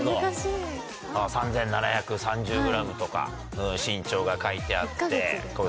３７３０ｇとか身長が書いてあって。